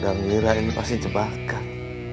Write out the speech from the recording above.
udah ngira ini pasti jebakan